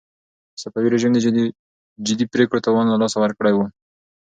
صفوي رژيم د جدي پرېکړو توان له لاسه ورکړی و.